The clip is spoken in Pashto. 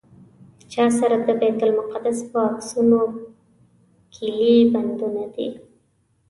چا سره د بیت المقدس په عکسونو کیلي بندونه دي.